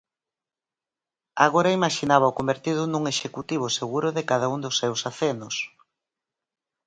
Agora imaxinábao convertido nun executivo seguro de cada un dos seus acenos;